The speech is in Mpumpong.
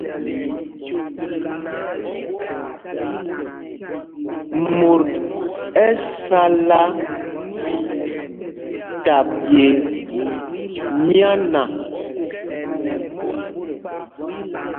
Mot ɛ sala ta ɓye myána.